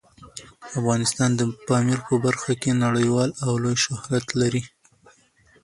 افغانستان د پامیر په برخه کې نړیوال او لوی شهرت لري.